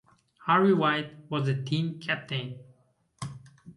Harvey White was the team captain.